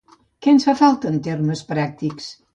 Què ens fa falta en termes pràctics?